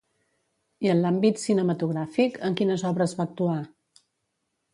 I en l'àmbit cinematogràfic, en quines obres va actuar?